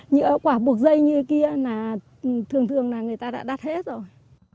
những quả buộc dây như kia là thường thường là người ta đã đắt hết rồi